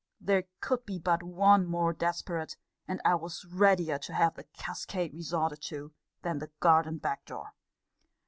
There could be but one more desperate; and I was readier to have the cascade resorted to, than the garden back door.